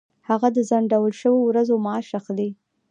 هغه د ځنډول شوو ورځو معاش اخلي.